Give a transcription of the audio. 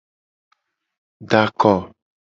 Da ako.